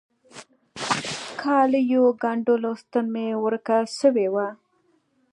کاليو ګنډلو ستن مي ورکه سوي وه.